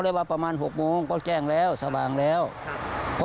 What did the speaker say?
ว่าประมาณหกโมงก็แจ้งแล้วสว่างแล้วครับ